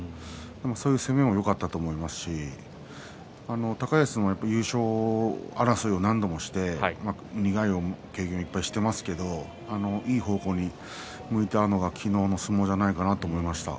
そういう攻めもよかったと思いますし高安も優勝争いを何度もして苦い経験していますけれどもいい方向に向いているのが昨日の相撲かなと思いました。